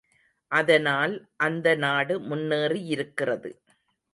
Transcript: அதனால் அந்த நாடு முன்னேறியிருக்கிறது.